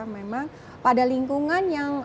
memang pada lingkungan yang